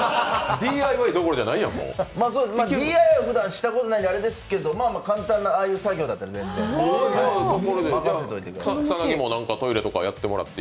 ＤＩＹはふだんしたことがないのであれですけど、簡単なああいう作業だったら任せといてください。